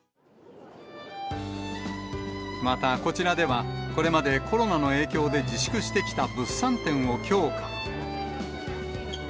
また、こちらでは、これまでコロナの影響で自粛してきた物産展を強化。